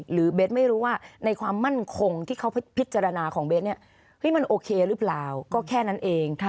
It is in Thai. เบสไม่รู้ว่าในความมั่นคงที่เขาพิจารณาของเบสเนี่ยมันโอเคหรือเปล่าก็แค่นั้นเอง